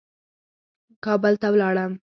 کابل ته ولاړم.